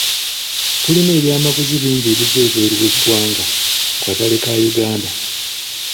Tulina ebyamaguzi bingi ebiva ebweru w'eggwanga ku katale ka Uganda.